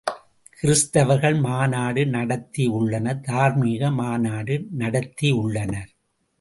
கிறிஸ்தவர்கள் மாநாடு நடத்தியுள்ளனர் தார்மீக மாநாடு நடத்தியுள்ளனர்.